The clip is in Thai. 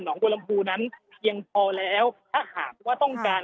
หนองบัวละมภูยนั้นเพียงพอแล้วถ้าหากว่าต้องการค่ะ